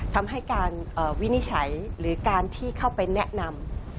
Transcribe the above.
ทำให้การวินิจฉัยหรือการที่เข้าไปแนะนำ